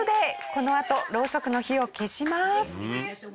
このあとろうそくの火を消します。